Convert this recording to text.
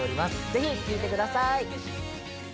ぜひ聴いてください。